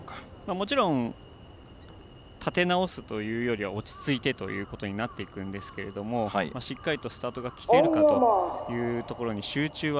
もちろん立て直すというよりは落ち着いてということになってくるんですけれどしっかりとスタートが切れるかというところに集中は